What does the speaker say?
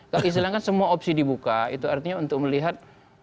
kalau diizinkan semua opsi dibuka itu artinya untuk melihat